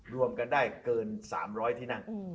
รวมกันได้เกิน๓๐๐ที่นั่ง